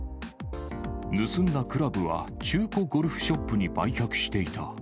盗んだクラブは、中古ゴルフショップに売却していた。